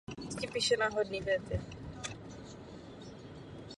Postupné zlepšení začalo až po skončení druhé světové války.